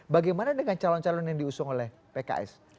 bagaimana dengan calon calon yang diusung oleh pks